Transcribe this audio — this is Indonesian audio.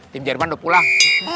tim jerman udah pulang